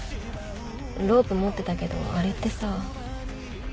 ロープ持ってたけどあれってさ。